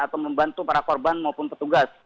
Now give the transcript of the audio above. atau membantu para korban maupun petugas